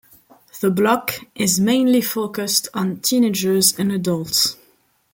The block is mainly focused on teenagers and adults.